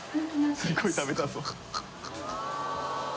すごい食べたそう。